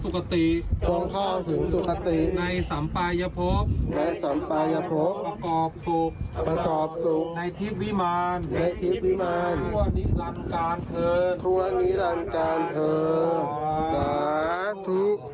ทุกคนที่อยู่ตรงนี้ขอซื้อที่ให้ใครรับสมควรไลน์บอกนะครับ